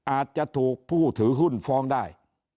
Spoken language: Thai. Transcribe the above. อาจจะถูกผู้ถือหุ้นฟ้องได้